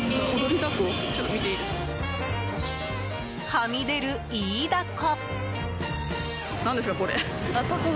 はみ出るイイダコ。